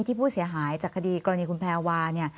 ที่ผู้เสียหายจากคดีกรณีคุณแพรวาเนี่ย